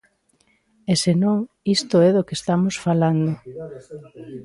E se non, isto é do que estamos falando.